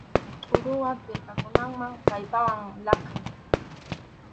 Tʼuruwan pirqakunaman kallpawan laqʼay.